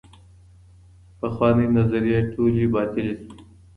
پخوانۍ نظریې ټولې باطلې سوې.